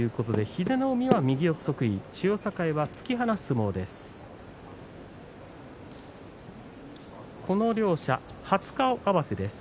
英乃海は左四つ得意千代栄は突き放す相撲です。